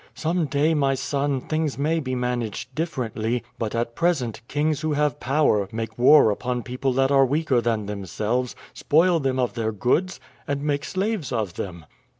Some day, my son, things may be managed differently; but at present kings who have power make war upon people that are weaker than themselves, spoil them of their goods, and make slaves of them.